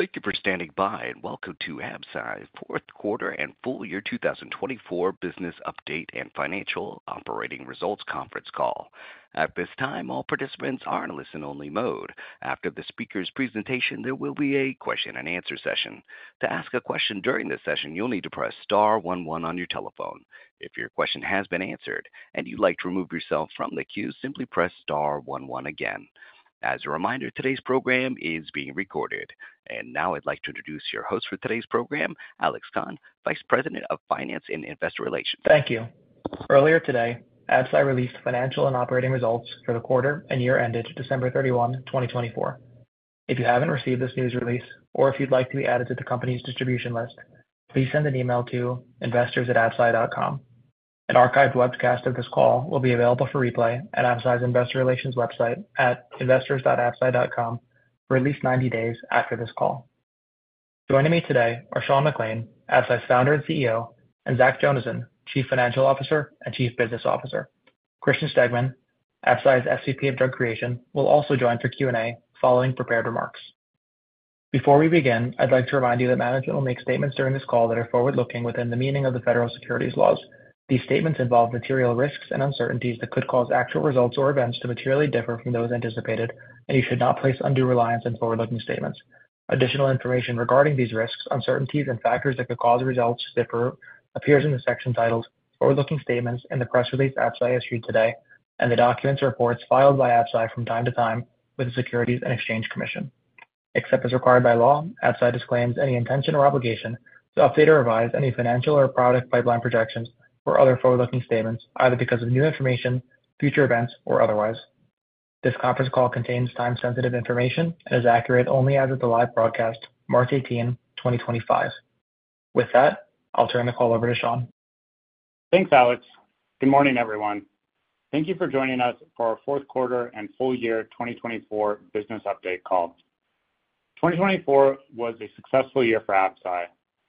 Thank you for standing by, and welcome to Absci's fourth quarter and full year 2024 business update and financial operating results conference call. At this time, all participants are in a listen-only mode. After the speaker's presentation, there will be a question-and-answer session. To ask a question during this session, you'll need to press star 11 on your telephone. If your question has been answered and you'd like to remove yourself from the queue, simply press star 11 again. As a reminder, today's program is being recorded. Now I'd like to introduce your host for today's program, Alex Khan, Vice President of Finance and Investor Relations. Thank you. Earlier today, Absci released financial and operating results for the quarter and year ended December 31, 2024. If you have not received this news release, or if you would like to be added to the company's distribution list, please send an email to investors@absci.com. An archived webcast of this call will be available for replay at Absci's Investor Relations website at investors.absci.com for at least 90 days after this call. Joining me today are Sean McClain, Absci's founder and CEO, and Zach Jonasson, Chief Financial Officer and Chief Business Officer. Christian Stegmann, Absci's SVP of Drug Creation, will also join for Q&A following prepared remarks. Before we begin, I would like to remind you that management will make statements during this call that are forward-looking within the meaning of the federal securities laws. These statements involve material risks and uncertainties that could cause actual results or events to materially differ from those anticipated, and you should not place undue reliance on forward-looking statements. Additional information regarding these risks, uncertainties, and factors that could cause results to differ appears in the section titled Forward-looking Statements in the press release Absci issued today and the documents or reports filed by Absci from time to time with the Securities and Exchange Commission. Except as required by law, Absci disclaims any intention or obligation to update or revise any financial or product pipeline projections or other forward-looking statements, either because of new information, future events, or otherwise. This conference call contains time-sensitive information and is accurate only as of the live broadcast, March 18, 2025. With that, I'll turn the call over to Sean. Thanks, Alex. Good morning, everyone. Thank you for joining us for our fourth quarter and full year 2024 business update call. 2024 was a successful year for Absci.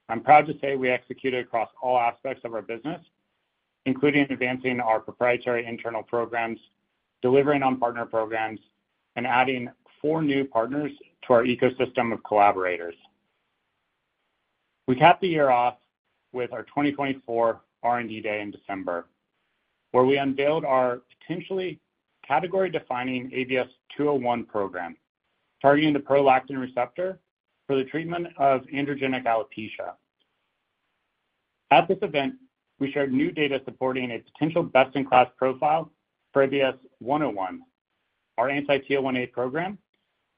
I'm proud to say we executed across all aspects of our business, including advancing our proprietary internal programs, delivering on partner programs, and adding four new partners to our ecosystem of collaborators. We capped the year off with our 2024 R&D Day in December, where we unveiled our potentially category-defining ABS-201 program, targeting the prolactin receptor for the treatment of androgenic alopecia. At this event, we shared new data supporting a potential best-in-class profile for ABS-101, our anti-TL1A program,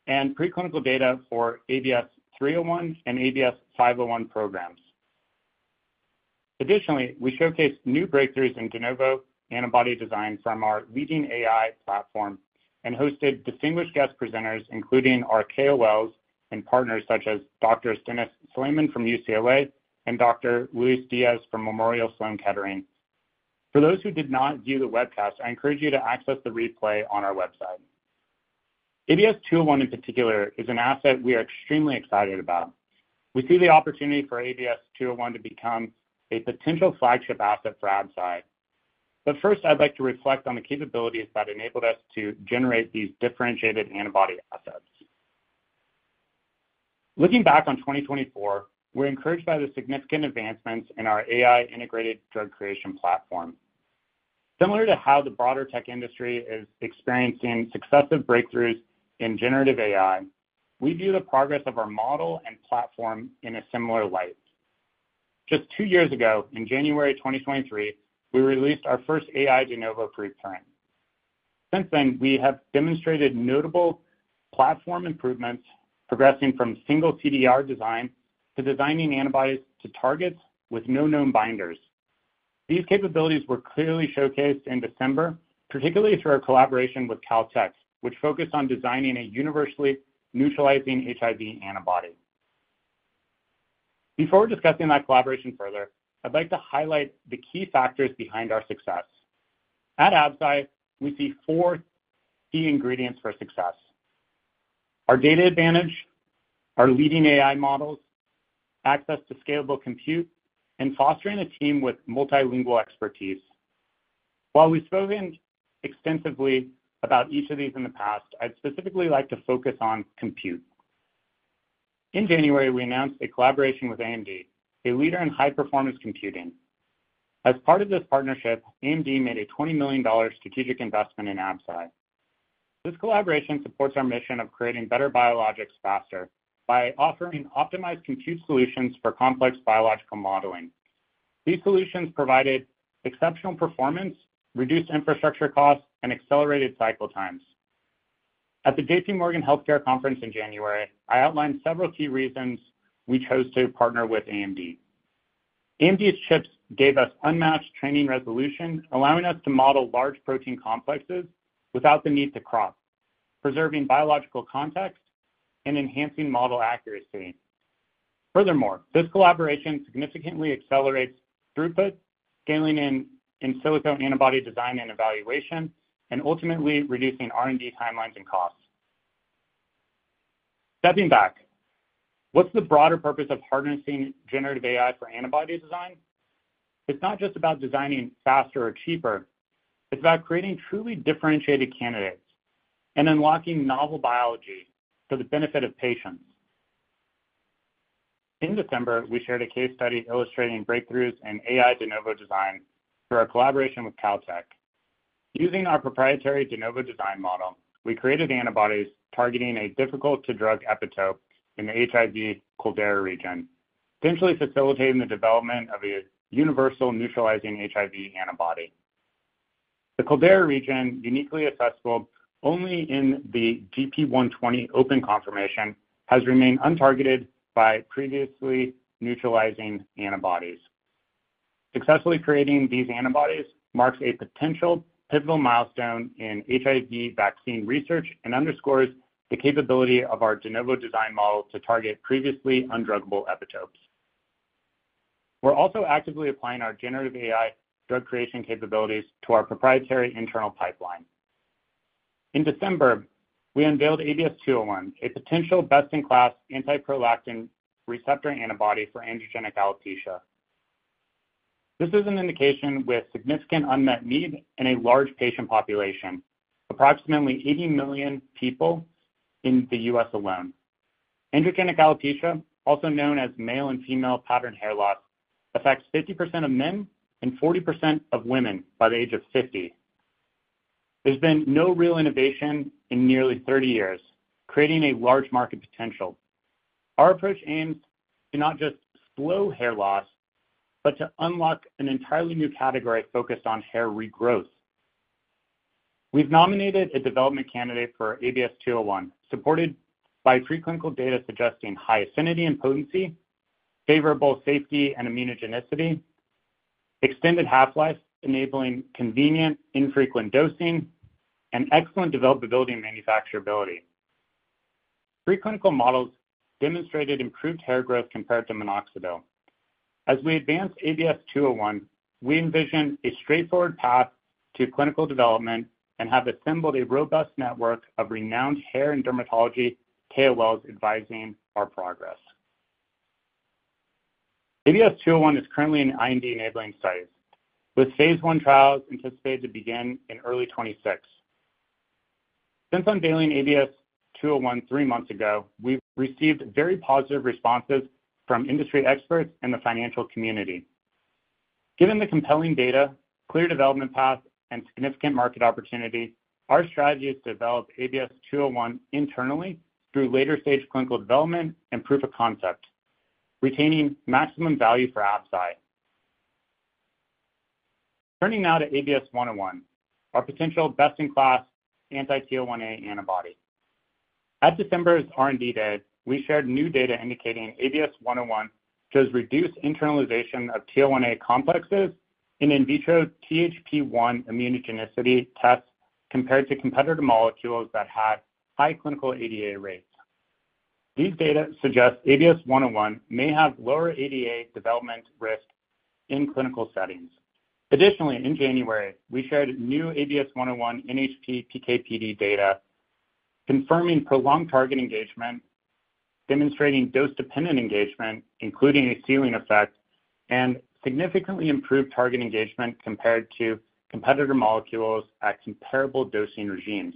and preclinical data for ABS-301 and ABS-501 programs. Additionally, we showcased new breakthroughs in de novo antibody design from our leading AI platform and hosted distinguished guest presenters, including our KOLs. And partners such as Dr. Dennis Slamon from UCLA and Dr. Luis Diaz from Memorial Sloan Kettering. For those who did not view the webcast, I encourage you to access the replay on our website. ABS-201, in particular, is an asset we are extremely excited about. We see the opportunity for ABS-201 to become a potential flagship asset for Absci. First, I'd like to reflect on the capabilities that enabled us to generate these differentiated antibody assets. Looking back on 2024, we're encouraged by the significant advancements in our AI-integrated drug creation platform. Similar to how the broader tech industry is experiencing successive breakthroughs in generative AI, we view the progress of our model and platform in a similar light. Just two years ago, in January 2023, we released our first AI de novo preprint. Since then, we have demonstrated notable platform improvements, progressing from single CDR design to designing antibodies to targets with no known binders. These capabilities were clearly showcased in December, particularly through our collaboration with Caltech, which focused on designing a universally neutralizing HIV antibody. Before discussing that collaboration further, I'd like to highlight the key factors behind our success. At Absci, we see four key ingredients for success: our data advantage, our leading AI models, access to scalable compute, and fostering a team with multilingual expertise. While we've spoken extensively about each of these in the past, I'd specifically like to focus on compute. In January, we announced a collaboration with AMD, a leader in high-performance computing. As part of this partnership, AMD made a $20 million strategic investment in Absci. This collaboration supports our mission of creating better biologics faster by offering optimized compute solutions for complex biological modeling. These solutions provided exceptional performance, reduced infrastructure costs, and accelerated cycle times. At the JPMorgan Healthcare Conference in January, I outlined several key reasons we chose to partner with AMD. AMD's chips gave us unmatched training resolution, allowing us to model large protein complexes without the need to crop, preserving biological context and enhancing model accuracy. Furthermore, this collaboration significantly accelerates throughput, scaling in silico antibody design and evaluation, and ultimately reducing R&D timelines and costs. Stepping back, what's the broader purpose of harnessing generative AI for antibody design? It's not just about designing faster or cheaper. It's about creating truly differentiated candidates and unlocking novel biology for the benefit of patients. In December, we shared a case study illustrating breakthroughs in AI de novo design through our collaboration with Caltech. Using our proprietary de novo design model, we created antibodies targeting a difficult-to-drug epitope in the HIV Caldera region, potentially facilitating the development of a universal neutralizing HIV antibody. The Caldera region, uniquely accessible only in the gp120 open conformation, has remained untargeted by previously neutralizing antibodies. Successfully creating these antibodies marks a potential pivotal milestone in HIV vaccine research and underscores the capability of our de novo design model to target previously undruggable epitopes. We're also actively applying our generative AI drug creation capabilities to our proprietary internal pipeline. In December, we unveiled ABS-201, a potential best-in-class antiprolactin receptor antibody for androgenic alopecia. This is an indication with significant unmet need and a large patient population, approximately 80 million people in the U.S. alone. Androgenic alopecia, also known as male and female pattern hair loss, affects 50% of men and 40% of women by the age of 50. There's been no real innovation in nearly 30 years, creating a large market potential. Our approach aims to not just slow hair loss, but to unlock an entirely new category focused on hair regrowth. We've nominated a development candidate for ABS-201, supported by preclinical data suggesting high affinity and potency, favorable safety and immunogenicity, extended half-life, enabling convenient infrequent dosing, and excellent developability and manufacturability. Preclinical models demonstrated improved hair growth compared to minoxidil. As we advance ABS-201, we envision a straightforward path to clinical development and have assembled a robust network of renowned hair and dermatology KOLs advising our progress. ABS-201 is currently in IND-enabling studies, with phase I trials anticipated to begin in early 2026. Since unveiling ABS-201 three months ago, we've received very positive responses from industry experts and the financial community. Given the compelling data, clear development path, and significant market opportunity, our strategy is to develop ABS-201 internally through later-stage clinical development and proof of concept, retaining maximum value for Absci. Turning now to ABS-101, our potential best-in-class anti-TL1A antibody. At December's R&D Day, we shared new data indicating ABS-101 shows reduced internalization of TL1A complexes in in vitro THP1 immunogenicity tests compared to competitor molecules that had high clinical ADA rates. These data suggest ABS-101 may have lower ADA development risk in clinical settings. Additionally, in January, we shared new ABS-101 NHP PK/PD data, confirming prolonged target engagement, demonstrating dose-dependent engagement, including a ceiling effect, and significantly improved target engagement compared to competitor molecules at comparable dosing regimes.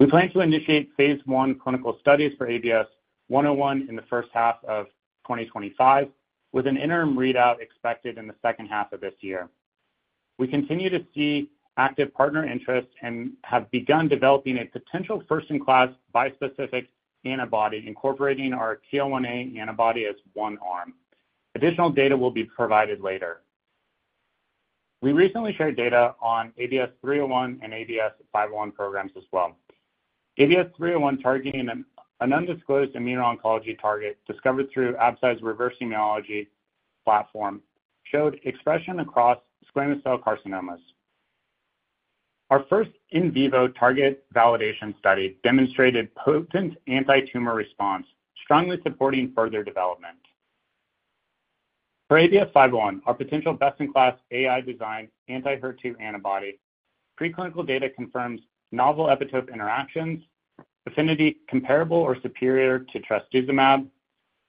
We plan to initiate phase I clinical studies for ABS-101 in the first half of 2025, with an interim readout expected in the second half of this year. We continue to see active partner interest and have begun developing a potential first-in-class bispecific antibody, incorporating our TL1A antibody as one arm. Additional data will be provided later. We recently shared data on ABS-301 and ABS-501 programs as well. ABS-301, targeting an undisclosed immuno-oncology target discovered through Absci's reverse immunology platform, showed expression across squamous cell carcinomas. Our first in vivo target validation study demonstrated potent anti-tumor response, strongly supporting further development. For ABS-501, our potential best-in-class AI-designed anti-HER2 antibody, preclinical data confirms novel epitope interactions, affinity comparable or superior to trastuzumab,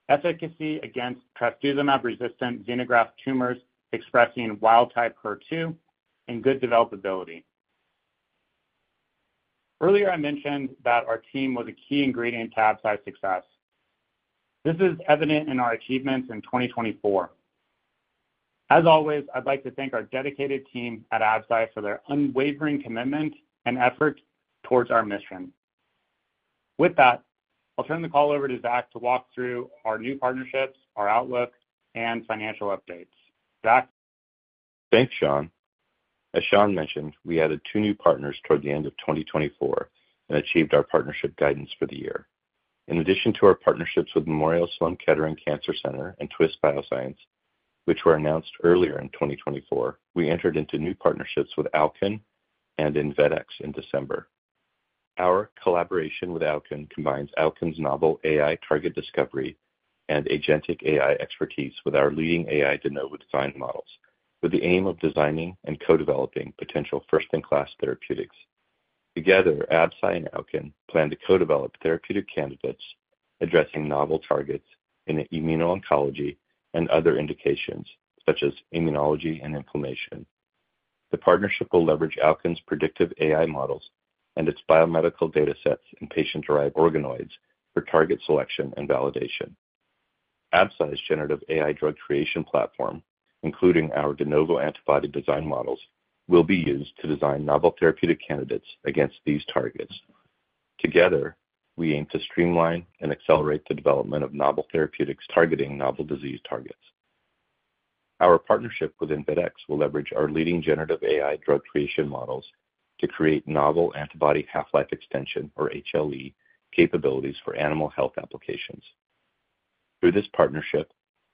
efficacy against trastuzumab-resistant xenograft tumors expressing wild-type HER2, and good developability. Earlier, I mentioned that our team was a key ingredient to Absci's success. This is evident in our achievements in 2024. As always, I'd like to thank our dedicated team at Absci for their unwavering commitment and effort towards our mission. With that, I'll turn the call over to Zach to walk through our new partnerships, our outlook, and financial updates. Zach. Thanks, Sean. As Sean mentioned, we added two new partners toward the end of 2024 and achieved our partnership guidance for the year. In addition to our partnerships with Memorial Sloan Kettering Cancer Center and Twist Bioscience, which were announced earlier in 2024, we entered into new partnerships with Owkin and Invetx in December. Our collaboration with Owkin combines Owkin's novel AI target discovery and agentic AI expertise with our leading AI de novo design models, with the aim of designing and co-developing potential first-in-class therapeutics. Together, Absci and Owkin plan to co-develop therapeutic candidates addressing novel targets in immuno-oncology and other indications, such as immunology and inflammation. The partnership will leverage Owkin's predictive AI models and its biomedical data sets and patient-derived organoids for target selection and validation. Absci's generative AI drug creation platform, including our de novo antibody design models, will be used to design novel therapeutic candidates against these targets. Together, we aim to streamline and accelerate the development of novel therapeutics targeting novel disease targets. Our partnership with Invetx will leverage our leading generative AI drug creation models to create novel antibody half-life extension, or HLE, capabilities for animal health applications. Through this partnership,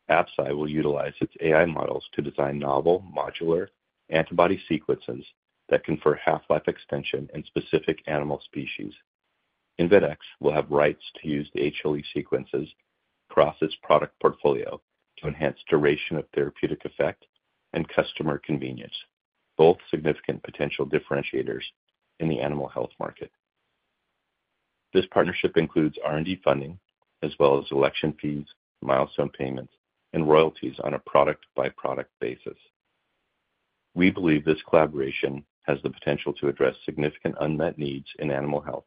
Absci will utilize its AI models to design novel modular antibody sequences that confer half-life extension in specific animal species. Invetx will have rights to use the HLE sequences across its product portfolio to enhance duration of therapeutic effect and customer convenience, both significant potential differentiators in the animal health market. This partnership includes R&D funding, as well as election fees, milestone payments, and royalties on a product-by-product basis. We believe this collaboration has the potential to address significant unmet needs in animal health,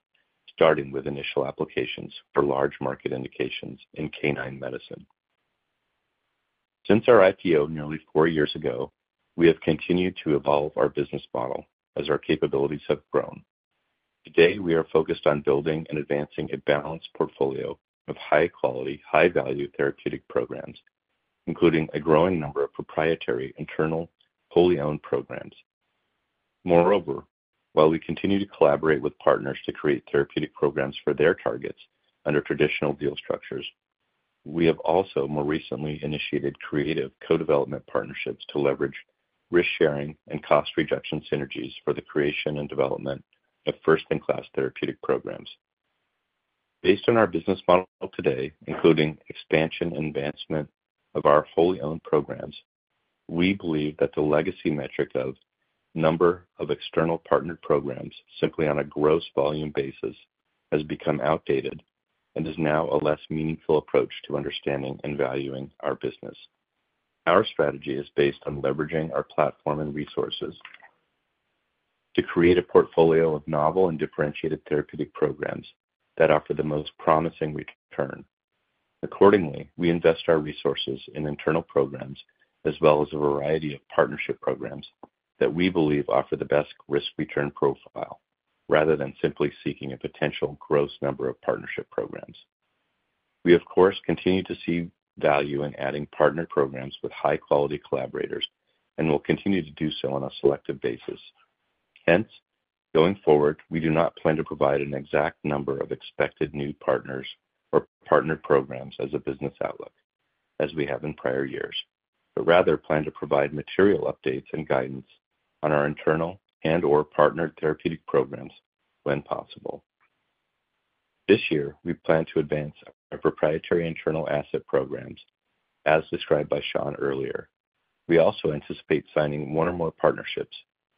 starting with initial applications for large market indications in canine medicine. Since our IPO nearly four years ago, we have continued to evolve our business model as our capabilities have grown. Today, we are focused on building and advancing a balanced portfolio of high-quality, high-value therapeutic programs, including a growing number of proprietary internal wholly owned programs. Moreover, while we continue to collaborate with partners to create therapeutic programs for their targets under traditional deal structures, we have also more recently initiated creative co-development partnerships to leverage risk-sharing and cost-reduction synergies for the creation and development of first-in-class therapeutic programs. Based on our business model today, including expansion and advancement of our wholly-owned programs, we believe that the legacy metric of number of external partnered programs simply on a gross volume basis has become outdated and is now a less meaningful approach to understanding and valuing our business. Our strategy is based on leveraging our platform and resources to create a portfolio of novel and differentiated therapeutic programs that offer the most promising return. Accordingly, we invest our resources in internal programs as well as a variety of partnership programs that we believe offer the best risk-return profile, rather than simply seeking a potential gross number of partnership programs. We, of course, continue to see value in adding partner programs with high-quality collaborators and will continue to do so on a selective basis. Hence, going forward, we do not plan to provide an exact number of expected new partners or partnered programs as a business outlook, as we have in prior years, but rather plan to provide material updates and guidance on our internal and/or partnered therapeutic programs when possible. This year, we plan to advance our proprietary internal asset programs, as described by Sean earlier. We also anticipate signing one or more partnerships,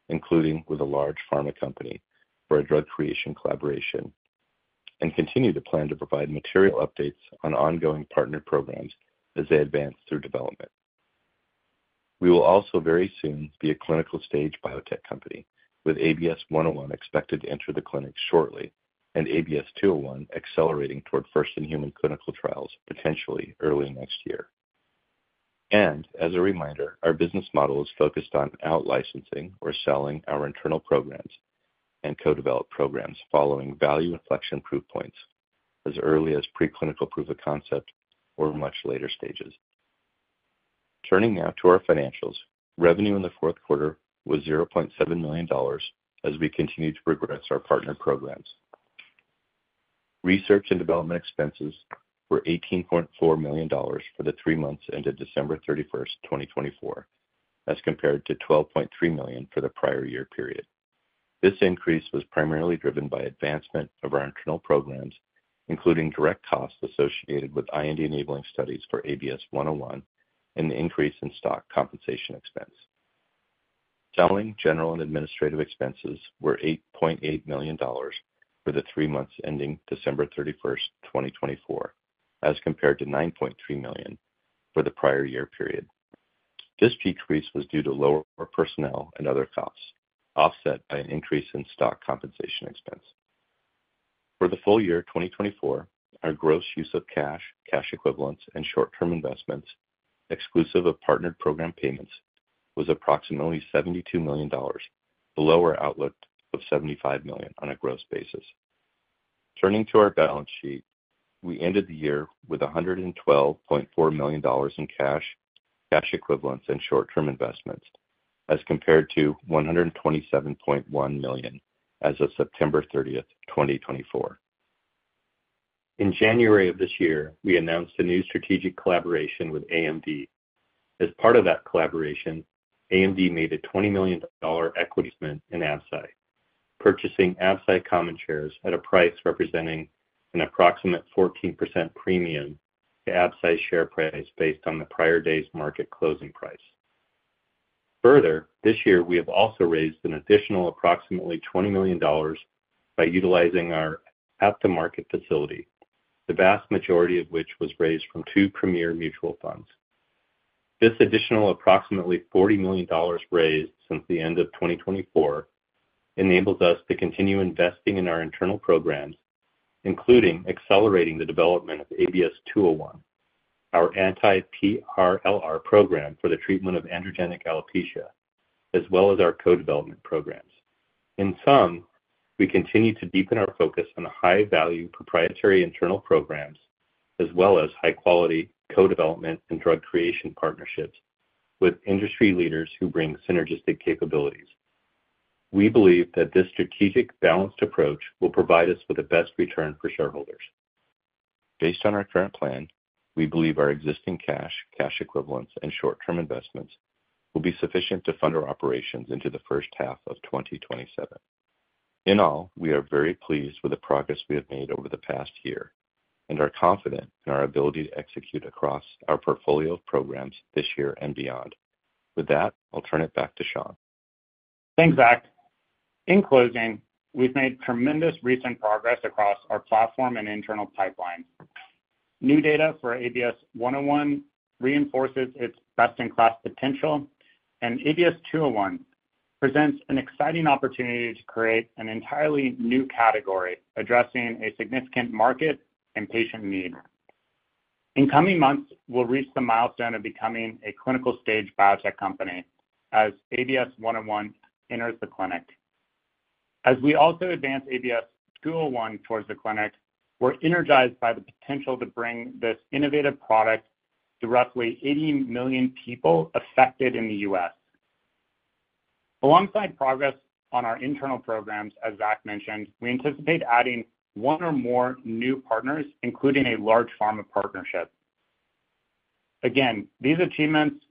including with a large pharma company for a drug creation collaboration, and continue to plan to provide material updates on ongoing partnered programs as they advance through development. We will also very soon be a clinical stage biotech company, with ABS-101 expected to enter the clinic shortly and ABS-201 accelerating toward first-in-human clinical trials potentially early next year. As a reminder, our business model is focused on out-licensing or selling our internal programs and co-develop programs following value inflection proof points as early as preclinical proof of concept or much later stages. Turning now to our financials, revenue in the fourth quarter was $0.7 million as we continue to progress our partner programs. Research and development expenses were $18.4 million for the three months ended December 31, 2024, as compared to $12.3 million for the prior year period. This increase was primarily driven by advancement of our internal programs, including direct costs associated with IND-enabling studies for ABS-101 and the increase in stock compensation expense. Selling, general and administrative expenses were $8.8 million for the three months ending December 31st, 2024, as compared to $9.3 million for the prior year period. This decrease was due to lower personnel and other costs, offset by an increase in stock compensation expense. For the full year 2024, our gross use of cash, cash equivalents, and short-term investments exclusive of partnered program payments was approximately $72 million, below our outlook of $75 million on a gross basis. Turning to our balance sheet, we ended the year with $112.4 million in cash, cash equivalents, and short-term investments, as compared to $127.1 million as of September 30, 2024. In January of this year, we announced a new strategic collaboration with AMD. As part of that collaboration, AMD made a $20 million equity spend in Absci, purchasing Absci Common Shares at a price representing an approximate 14% premium to Absci's share price based on the prior day's market closing price. Further, this year, we have also raised an additional approximately $20 million by utilizing our at-the-market facility, the vast majority of which was raised from two premier mutual funds. This additional approximately $40 million raised since the end of 2024 enables us to continue investing in our internal programs, including accelerating the development of ABS-201, our anti-PRLR program for the treatment of androgenic alopecia, as well as our co-development programs. In sum, we continue to deepen our focus on high-value proprietary internal programs, as well as high-quality co-development and drug creation partnerships with industry leaders who bring synergistic capabilities. We believe that this strategic balanced approach will provide us with the best return for shareholders. Based on our current plan, we believe our existing cash, cash equivalents, and short-term investments will be sufficient to fund our operations into the first half of 2027. In all, we are very pleased with the progress we have made over the past year and are confident in our ability to execute across our portfolio of programs this year and beyond. With that, I'll turn it back to Sean. Thanks, Zach. In closing, we've made tremendous recent progress across our platform and internal pipelines. New data for ABS-101 reinforces its best-in-class potential, and ABS-201 presents an exciting opportunity to create an entirely new category addressing a significant market and patient need. In coming months, we'll reach the milestone of becoming a clinical stage biotech company as ABS-101 enters the clinic. As we also advance ABS-201 towards the clinic, we're energized by the potential to bring this innovative product to roughly 80 million people affected in the U.S.. Alongside progress on our internal programs, as Zach mentioned, we anticipate adding one or more new partners, including a large pharma partnership. Again, these achievements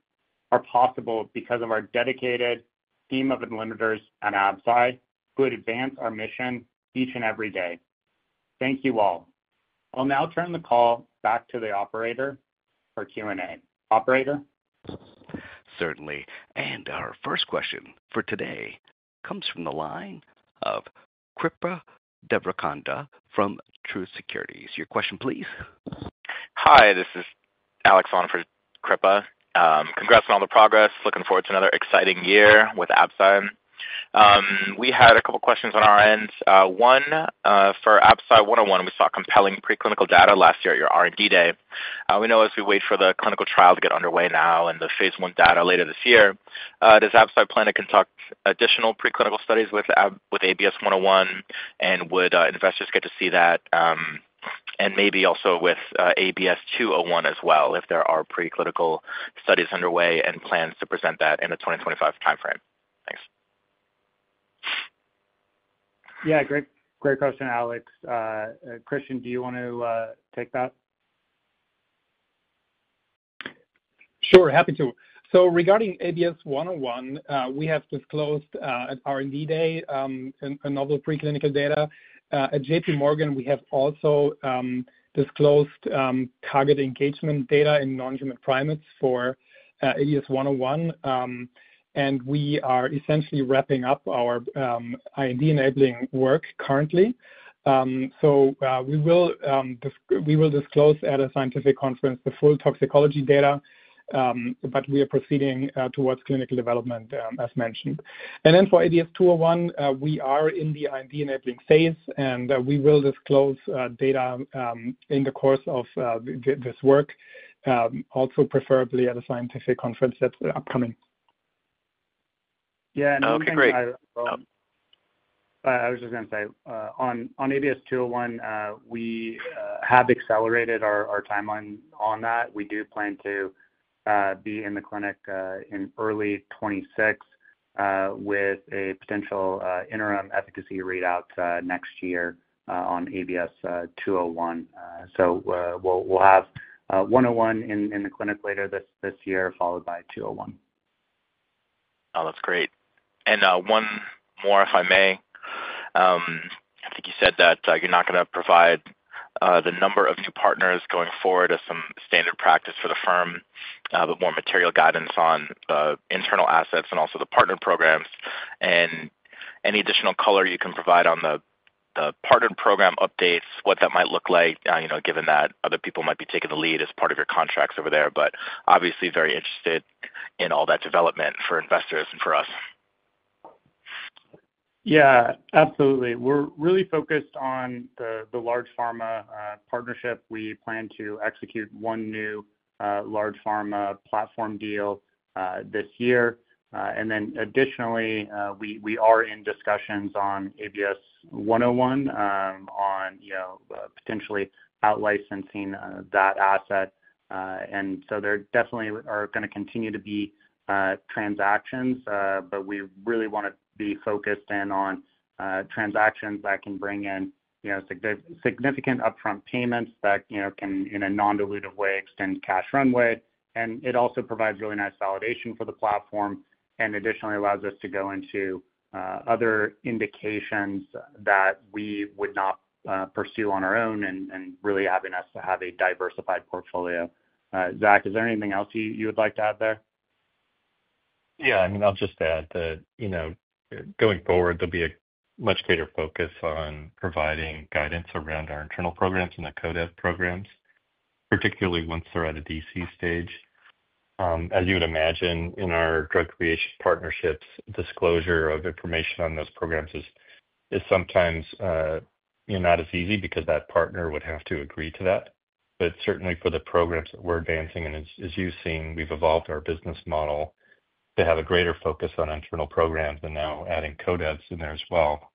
are possible because of our dedicated team of innovators at Absci, who advance our mission each and every day. Thank you all. I'll now turn the call back to the operator for Q&A. Operator? Certainly. Our first question for today comes from the line of Kripa Devarakonda from Truist Securities. Your question, please. Hi, this is Alex on for Kripa. Congrats on all the progress. Looking forward to another exciting year with Absci. We had a couple of questions on our end. One, for ABS-101, we saw compelling preclinical data last year at your R&D Day. We know as we wait for the clinical trial to get underway now and the phase one data later this year, does Absci plan to conduct additional preclinical studies with ABS-101, and would investors get to see that, and maybe also with ABS-201 as well, if there are preclinical studies underway and plans to present that in a 2025 timeframe? Thanks. Yeah, great question, Alex. Christian, do you want to take that? Sure, happy to. Regarding ABS-101, we have disclosed at R&D Day a novel preclinical data. At JPMorgan, we have also disclosed target engagement data in non-human primates for ABS-101, and we are essentially wrapping up our IND-enabling work currently. We will disclose at a scientific conference the full toxicology data, but we are proceeding towards clinical development, as mentioned. For ABS-201, we are in the IND-enabling phase, and we will disclose data in the course of this work, also preferably at a scientific conference that's upcoming. Yeah, no, I think. Okay, great. I was just going to say, on ABS-201, we have accelerated our timeline on that. We do plan to be in the clinic in early 2026 with a potential interim efficacy readout next year on ABS-201. We will have 101 in the clinic later this year, followed by 201. Oh, that's great. One more, if I may. I think you said that you're not going to provide the number of new partners going forward as some standard practice for the firm, but more material guidance on internal assets and also the partnered programs. Any additional color you can provide on the partnered program updates, what that might look like, given that other people might be taking the lead as part of your contracts over there. Obviously, very interested in all that development for investors and for us. Yeah, absolutely. We're really focused on the large pharma partnership. We plan to execute one new large pharma platform deal this year. Additionally, we are in discussions on ABS-101 on potentially out-licensing that asset. There definitely are going to continue to be transactions, but we really want to be focused in on transactions that can bring in significant upfront payments that can, in a non-dilutive way, extend cash runway. It also provides really nice validation for the platform and additionally allows us to go into other indications that we would not pursue on our own and really having us to have a diversified portfolio. Zach, is there anything else you would like to add there? Yeah, I mean, I'll just add that going forward, there'll be a much greater focus on providing guidance around our internal programs and the co-dev programs, particularly once they're at a DC stage. As you would imagine, in our drug creation partnerships, disclosure of information on those programs is sometimes not as easy because that partner would have to agree to that. Certainly, for the programs that we're advancing and as you've seen, we've evolved our business model to have a greater focus on internal programs and now adding co-devs in there as well,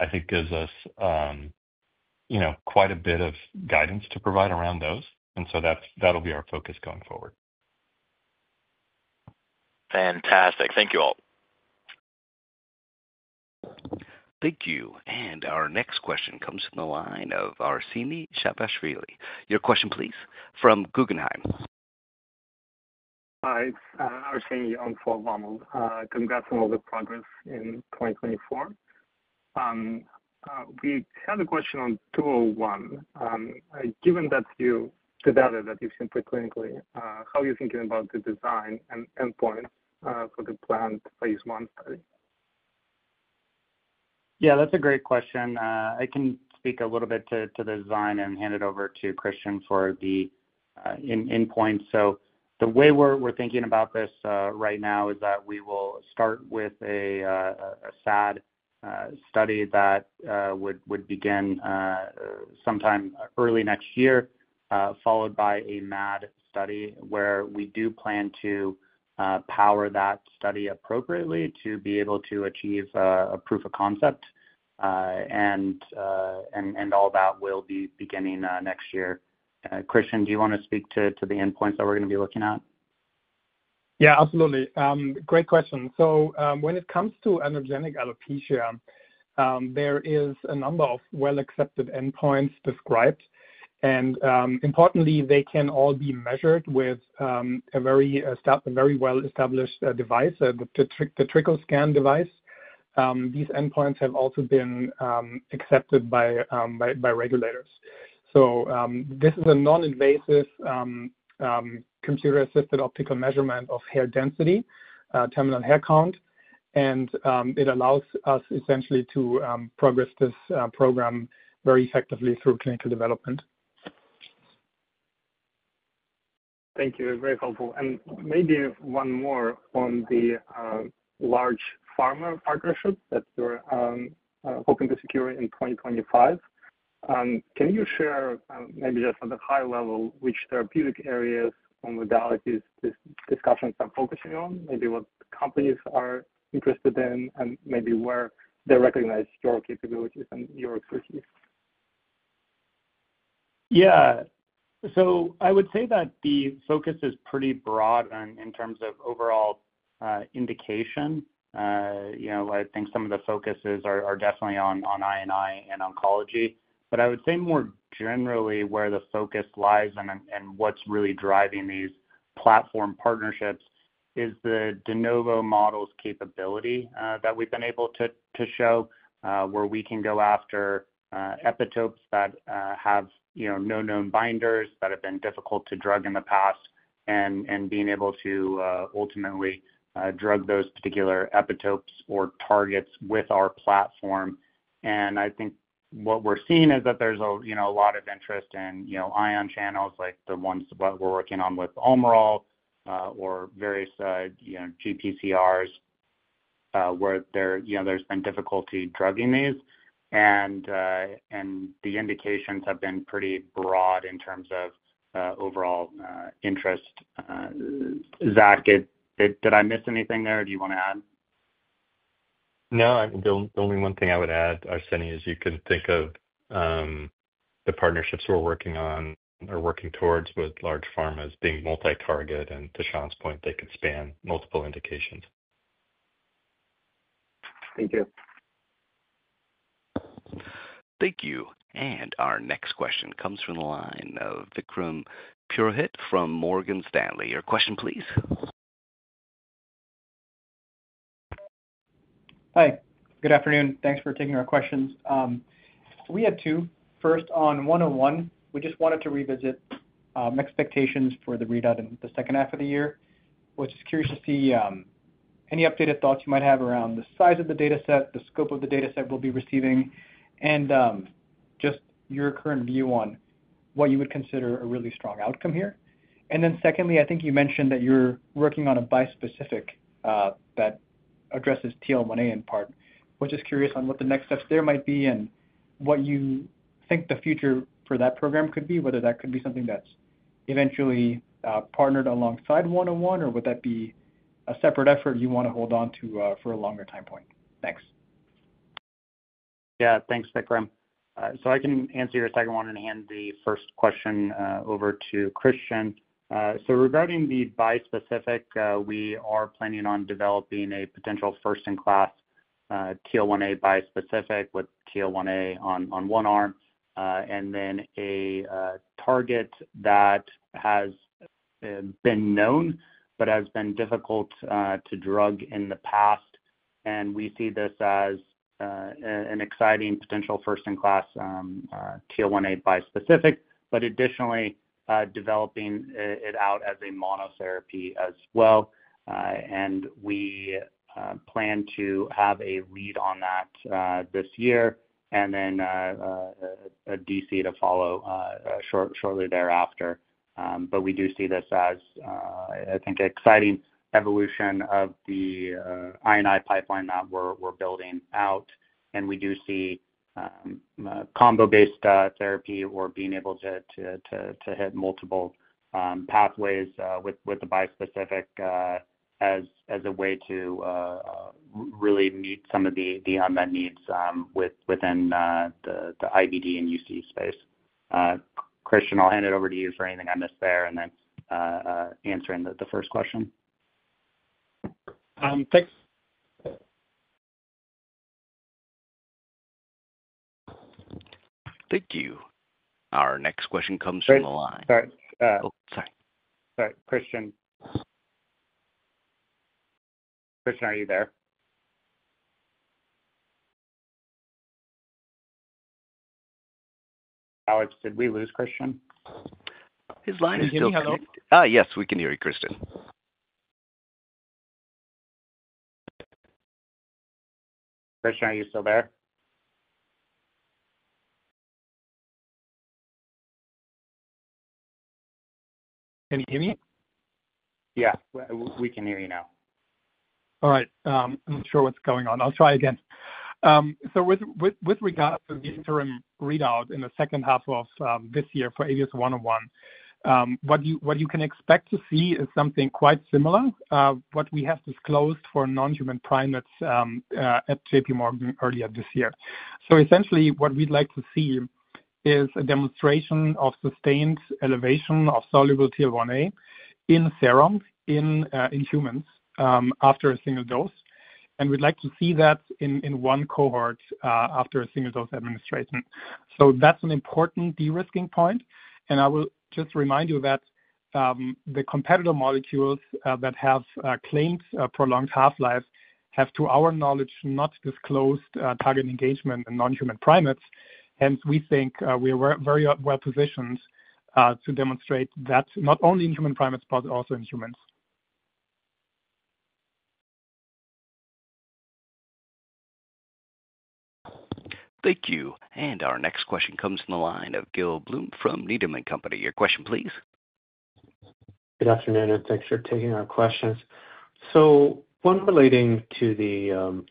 I think gives us quite a bit of guidance to provide around those. That'll be our focus going forward. Fantastic. Thank you all. Thank you. Our next question comes from the line of Arseniy Shabashvili. Your question, please, from Guggenheim. Hi, Arseniy. [inaudible] Congrats on all the progress in 2024. We had a question on 201. Given the data that you've seen preclinically, how are you thinking about the design and endpoints for the planned phase one study? Yeah, that's a great question. I can speak a little bit to the design and hand it over to Christian for the endpoints. The way we're thinking about this right now is that we will start with a SAD study that would begin sometime early next year, followed by a MAD study where we do plan to power that study appropriately to be able to achieve a proof of concept. All that will be beginning next year. Christian, do you want to speak to the endpoints that we're going to be looking at? Yeah, absolutely. Great question. When it comes to androgenic alopecia, there is a number of well-accepted endpoints described. Importantly, they can all be measured with a very well-established device, the TrichoScan device. These endpoints have also been accepted by regulators. This is a non-invasive computer-assisted optical measurement of hair density, terminal hair count. It allows us essentially to progress this program very effectively through clinical development. Thank you. Very helpful. Maybe one more on the large pharma partnership that you're hoping to secure in 2025. Can you share maybe just at a high level which therapeutic areas and modalities these discussions are focusing on, maybe what companies are interested in, and maybe where they recognize your capabilities and your expertise? Yeah. I would say that the focus is pretty broad in terms of overall indication. I think some of the focuses are definitely on I&I and oncology. I would say more generally, where the focus lies and what's really driving these platform partnerships is the de novo model's capability that we've been able to show, where we can go after epitopes that have no known binders that have been difficult to drug in the past and being able to ultimately drug those particular epitopes or targets with our platform. I think what we're seeing is that there's a lot of interest in ion channels, like the ones that we're working on with Almirall or various GPCRs, where there's been difficulty drugging these. The indications have been pretty broad in terms of overall interest. Zach, did I miss anything there? Do you want to add? No, I mean, the only one thing I would add, Arseniy, is you can think of the partnerships we're working on or working towards with large pharmas being multi-target. To Sean's point, they could span multiple indications. Thank you. Thank you. Our next question comes from the line of Vikram Purohit from Morgan Stanley. Your question, please. Hi. Good afternoon. Thanks for taking our questions. We had two. First, on 101, we just wanted to revisit expectations for the readout in the second half of the year. I was just curious to see any updated thoughts you might have around the size of the dataset, the scope of the dataset we'll be receiving, and just your current view on what you would consider a really strong outcome here. Secondly, I think you mentioned that you're working on a bispecific that addresses TL1A in part. I was just curious on what the next steps there might be and what you think the future for that program could be, whether that could be something that's eventually partnered alongside 101, or would that be a separate effort you want to hold on to for a longer time point. Thanks. Yeah, thanks, Vikram. I can answer your second one and hand the first question over to Christian. Regarding the bispecific, we are planning on developing a potential first-in-class TL1A bispecific with TL1A on one arm, and then a target that has been known but has been difficult to drug in the past. We see this as an exciting potential first-in-class TL1A bispecific, but additionally developing it out as a monotherapy as well. We plan to have a lead on that this year and then a DC to follow shortly thereafter. We do see this as, I think, an exciting evolution of the I&I pipeline that we're building out. We do see combo-based therapy or being able to hit multiple pathways with the bispecific as a way to really meet some of the unmet needs within the IBD and UC space. Christian, I'll hand it over to you for anything I missed there and then answering the first question. Thank you. Our next question comes from the line. Sorry. Oh, sorry. Sorry, Christian. Christian, are you there? Alex, did we lose Christian? His line is getting... Hello. Yes, we can hear you, Christian. Christian, are you still there? Can you hear me? Yeah, we can hear you now. All right. I'm not sure what's going on. I'll try again. With regard to the interim readout in the second half of this year for ABS-101, what you can expect to see is something quite similar to what we have disclosed for non-human primates at JPMorgan earlier this year. Essentially, what we'd like to see is a demonstration of sustained elevation of soluble TL1A in serum in humans after a single dose. We'd like to see that in one cohort after a single dose administration. That's an important de-risking point. I will just remind you that the competitor molecules that have claimed prolonged half-life have, to our knowledge, not disclosed target engagement in non-human primates. Hence, we think we are very well positioned to demonstrate that not only in non-human primates, but also in humans. Thank you. Our next question comes from the line of Gil Blum from Needham & Company. Your question, please. Good afternoon, and thanks for taking our questions. One relating to the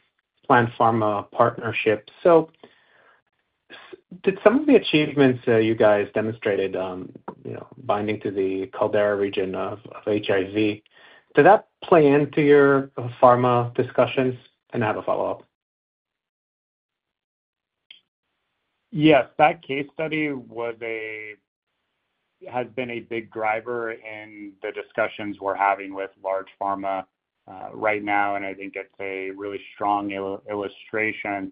planned pharma partnership. Did some of the achievements that you guys demonstrated binding to the Caldera region of HIV, did that play into your pharma discussions? I have a follow-up. Yes, that case study has been a big driver in the discussions we're having with large pharma right now. I think it's a really strong illustration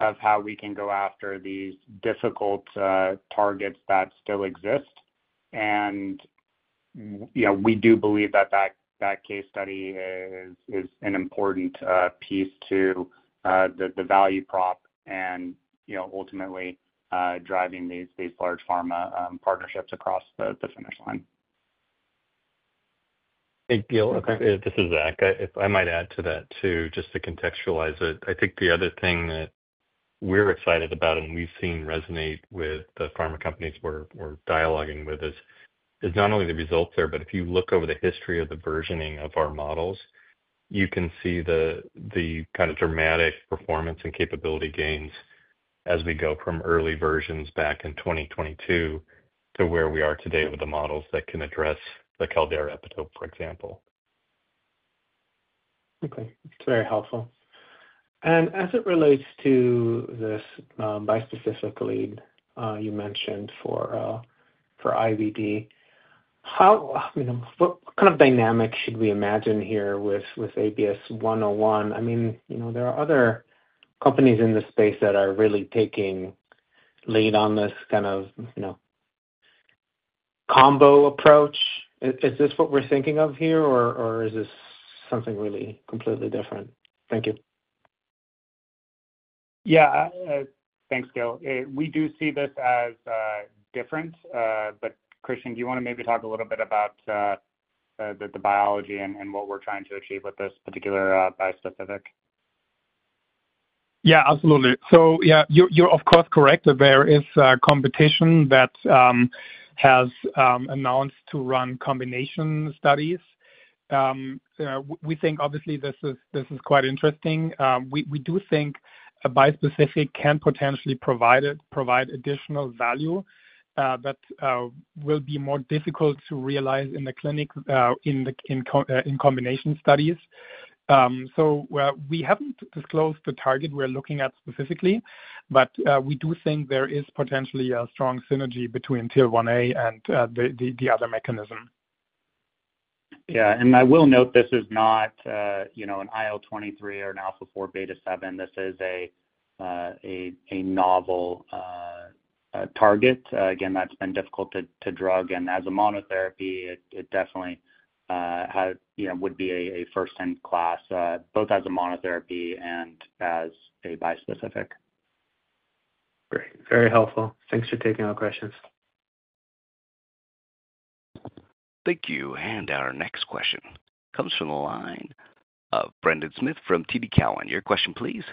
of how we can go after these difficult targets that still exist. We do believe that that case study is an important piece to the value prop and ultimately driving these large pharma partnerships across the finish line. Thank you. This is Zach. I might add to that too, just to contextualize it. I think the other thing that we're excited about and we've seen resonate with the pharma companies we're dialoguing with is not only the results there, but if you look over the history of the versioning of our models, you can see the kind of dramatic performance and capability gains as we go from early versions back in 2022 to where we are today with the models that can address the Caldera epitope, for example. Okay. That's very helpful. As it relates to this bispecific lead you mentioned for IBD, what kind of dynamic should we imagine here with ABS-101? I mean, there are other companies in the space that are really taking lead on this kind of combo approach. Is this what we're thinking of here, or is this something really completely different? Thank you. Yeah. Thanks, Gil. We do see this as different. Christian, do you want to maybe talk a little bit about the biology and what we're trying to achieve with this particular bispecific? Yeah, absolutely. Yeah, you're of course correct. There is competition that has announced to run combination studies. We think, obviously, this is quite interesting. We do think a bispecific can potentially provide additional value that will be more difficult to realize in the clinic in combination studies. We haven't disclosed the target we're looking at specifically, but we do think there is potentially a strong synergy between TL1A and the other mechanism. Yeah. I will note this is not an IL-23 or an alpha4beta7. This is a novel target. Again, that's been difficult to drug. As a monotherapy, it definitely would be a first-in-class, both as a monotherapy and as a bispecific. Great. Very helpful. Thanks for taking our questions. Thank you. Our next question comes from the line of Brendan Smith from TD Cowen. Your question, please.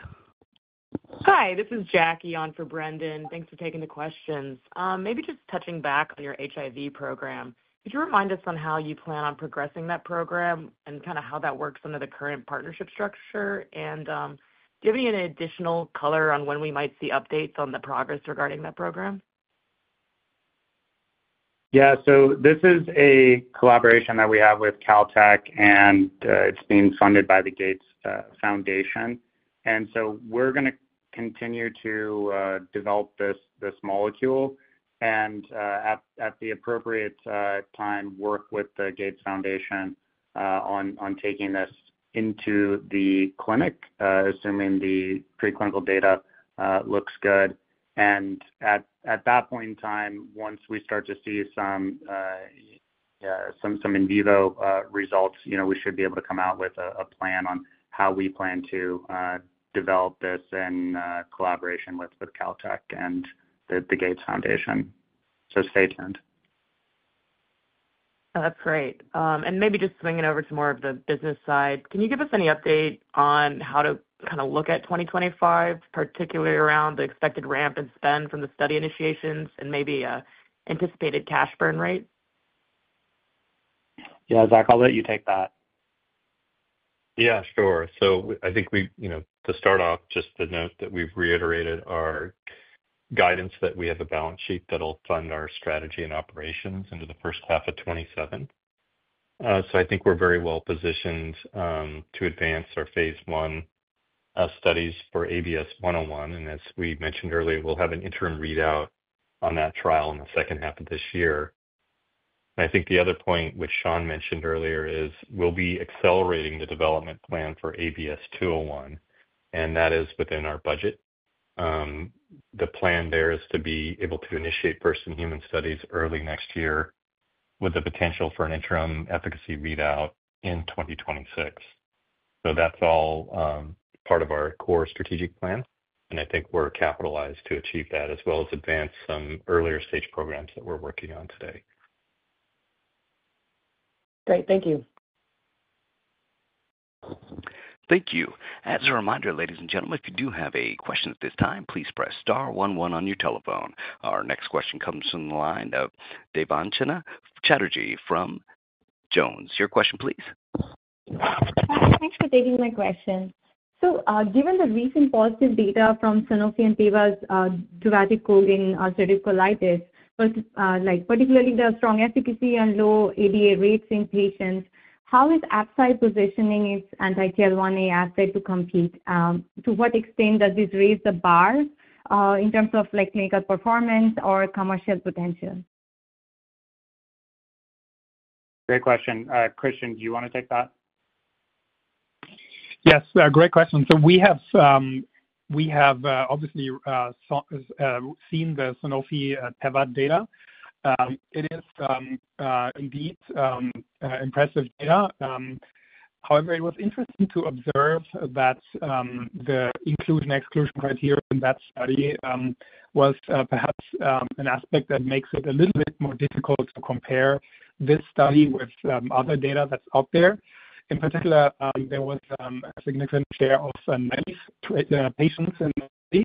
Hi, this is Jacky, on for Brendan. Thanks for taking the questions. Maybe just touching back on your HIV program, could you remind us on how you plan on progressing that program and kind of how that works under the current partnership structure? Do you have any additional color on when we might see updates on the progress regarding that program? Yeah. This is a collaboration that we have with Caltech, and it's being funded by the Gates Foundation. We're going to continue to develop this molecule and, at the appropriate time, work with the Gates Foundation on taking this into the clinic, assuming the preclinical data looks good. At that point in time, once we start to see some in vivo results, we should be able to come out with a plan on how we plan to develop this in collaboration with Caltech and the Gates Foundation. Stay tuned. That's great. Maybe just swinging over to more of the business side, can you give us any update on how to kind of look at 2025, particularly around the expected ramp in spend from the study initiations and maybe anticipated cash burn rate? Yeah, Zach, I'll let you take that. Yeah, sure. I think to start off, just to note that we've reiterated our guidance that we have a balance sheet that'll fund our strategy and operations into the first half of 2027. I think we're very well positioned to advance our phase I studies for ABS-101. As we mentioned earlier, we'll have an interim readout on that trial in the second half of this year. I think the other point, which Sean mentioned earlier, is we'll be accelerating the development plan for ABS-201, and that is within our budget. The plan there is to be able to initiate first-in-human studies early next year with the potential for an interim efficacy readout in 2026. That's all part of our core strategic plan. I think we're capitalized to achieve that as well as advance some earlier stage programs that we're working on today. Great. Thank you. Thank you. As a reminder, ladies and gentlemen, if you do have a question at this time, please press star one one on your telephone. Our next question comes from the line of Devanjana Chatterjee from Jones. Your question, please. Thanks for taking my question. Given the recent positive data from Sanofi and Pfizer's duvakitug in ulcerative colitis, particularly the strong efficacy and low ADA rates in patients, how is Absci positioning its anti-TL1A asset to compete? To what extent does this raise the bar in terms of clinical performance or commercial potential? Great question. Christian, do you want to take that? Yes. Great question. We have obviously seen the Sanofi, Teva data. It is indeed impressive data. However, it was interesting to observe that the inclusion-exclusion criteria in that study was perhaps an aspect that makes it a little bit more difficult to compare this study with other data that's out there. In particular, there was a significant share of patients in the study.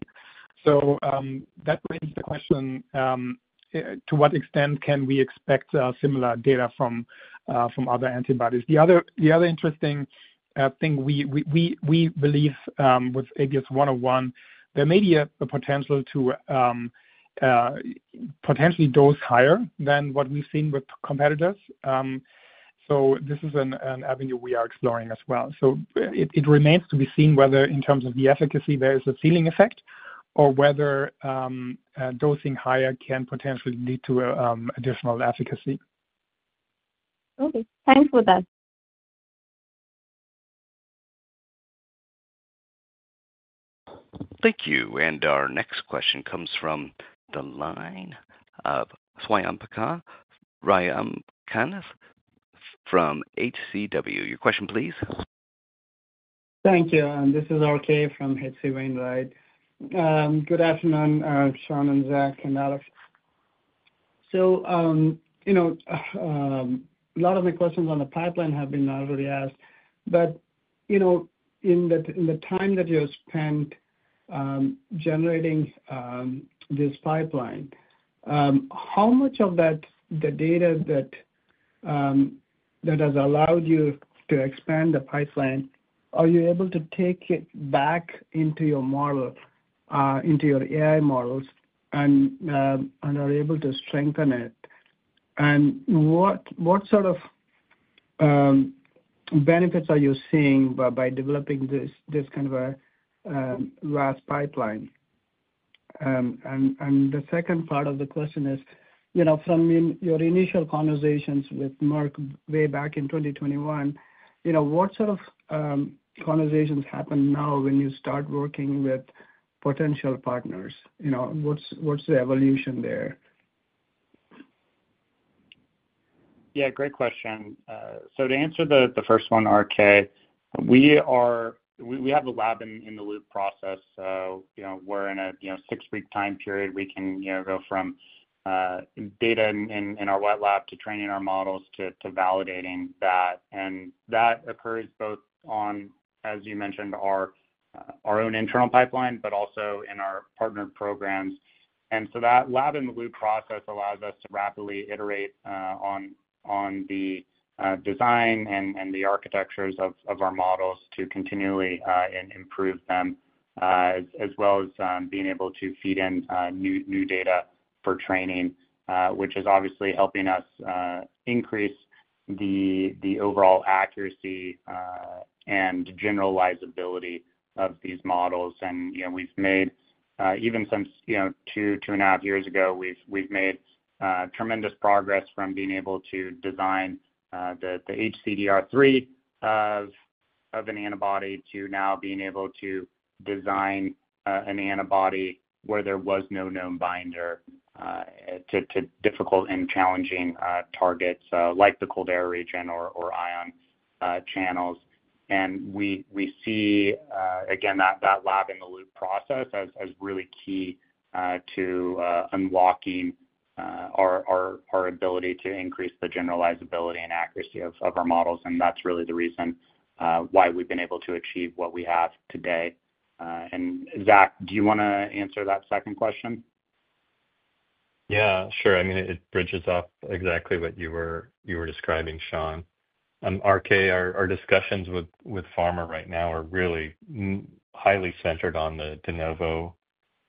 That raises the question, to what extent can we expect similar data from other antibodies? The other interesting thing, we believe with ABS-101, there may be a potential to potentially dose higher than what we've seen with competitors. This is an avenue we are exploring as well. It remains to be seen whether, in terms of the efficacy, there is a ceiling effect or whether dosing higher can potentially lead to additional efficacy. Okay. Thanks for that. Thank you. Our next question comes from the line of Swayampakula Ramakanth from HCW. Your question, please. Thank you. This is RK from HC Wainwright. Good afternoon, Sean and Zach and Alex. A lot of the questions on the pipeline have been already asked. In the time that you have spent generating this pipeline, how much of the data that has allowed you to expand the pipeline are you able to take back into your model, into your AI models, and are able to strengthen it? What sort of benefits are you seeing by developing this kind of a vast pipeline? The second part of the question is, from your initial conversations with Merck way back in 2021, what sort of conversations happen now when you start working with potential partners? What is the evolution there? Yeah, great question. To answer the first one, RK, we have a lab-in-the-loop process. We are in a six-week time period. We can go from data in our wet lab to training our models to validating that. That occurs both on, as you mentioned, our own internal pipeline, but also in our partner programs. That lab-in-the-loop process allows us to rapidly iterate on the design and the architectures of our models to continually improve them, as well as being able to feed in new data for training, which is obviously helping us increase the overall accuracy and generalizability of these models. We have made, even since two and a half years ago, tremendous progress from being able to design the HCDR3 of an antibody to now being able to design an antibody where there was no known binder to difficult and challenging targets like the Caldera region or ion channels. We see, again, that lab-in-the-loop process as really key to unlocking our ability to increase the generalizability and accuracy of our models. That is really the reason why we have been able to achieve what we have today. Zach, do you want to answer that second question? Yeah, sure. I mean, it bridges up exactly what you were describing, Sean. RK, our discussions with pharma right now are really highly centered on the de novo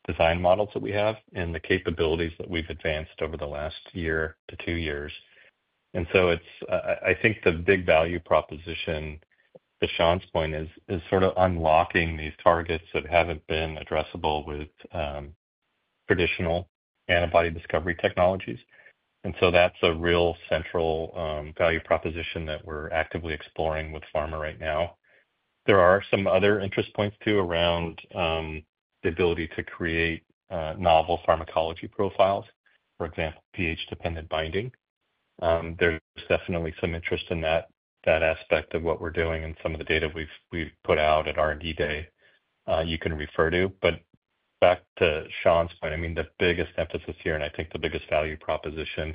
design models that we have and the capabilities that we've advanced over the last year to two years. I think the big value proposition, to Sean's point, is sort of unlocking these targets that haven't been addressable with traditional antibody discovery technologies. That is a real central value proposition that we're actively exploring with pharma right now. There are some other interest points too around the ability to create novel pharmacology profiles, for example, pH-dependent binding. There's definitely some interest in that aspect of what we're doing and some of the data we've put out at R&D Day you can refer to. Back to Sean's point, I mean, the biggest emphasis here, and I think the biggest value proposition,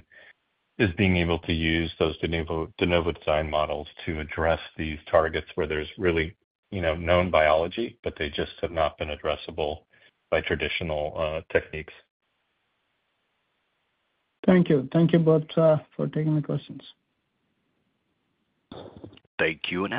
is being able to use those de novo design models to address these targets where there's really known biology, but they just have not been addressable by traditional techniques. Thank you. Thank you both for taking the questions. Thank you.